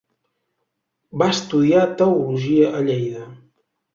Va estudiar teologia a Lleida.